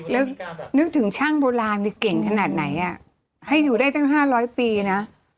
แล้วนึกถึงช่างโบราณนี่เก่งขนาดไหนให้อยู่ได้ตั้ง๕๐๐ปีนะ